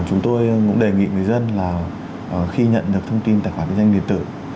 chúng tôi cũng đề nghị người dân là khi nhận được thông tin tài khoản địa danh địa tử